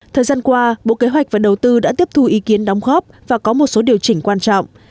thời gian qua bộ kế hoạch và đầu tư đã tiếp thu ý kiến đóng góp và có một số điều chỉnh quan trọng